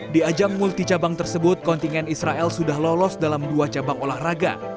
di ajang multi cabang tersebut kontingen israel sudah lolos dalam dua cabang olahraga